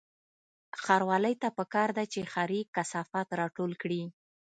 ښاروالۍ ته پکار ده چې ښاري کثافات راټول کړي